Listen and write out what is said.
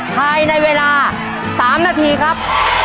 ภายในเวลา๓นาทีครับ